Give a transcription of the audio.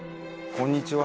こんにちは。